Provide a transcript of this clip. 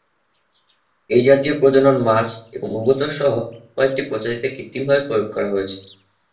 এই জাতীয় প্রজনন মাছ এবং উভচর সহ কয়েকটি প্রজাতিতে কৃত্রিমভাবে প্রয়োগ করা হয়েছে।